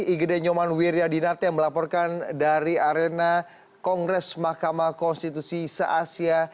igede nyoman wiryadinat yang melaporkan dari arena kongres makam konstitusi seasia